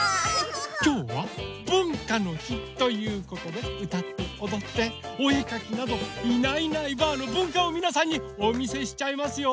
きょうはぶんかのひということでうたっておどっておえかきなど「いないいないばあっ！」のぶんかをみなさんにおみせしちゃいますよ！